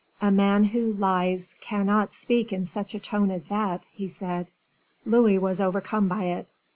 "A man who lies cannot speak in such a tone as that," he said. Louis was overcome by it.